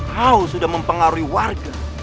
kau sudah mempengaruhi warga